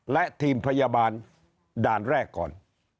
และทีมพยาบาลด่านแรกก่อน